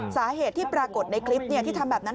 สาเหตุที่ปรากฏในคลิปที่ทำแบบนั้น